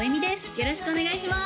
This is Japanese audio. よろしくお願いします